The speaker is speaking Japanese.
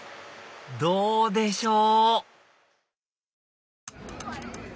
どうでしょう？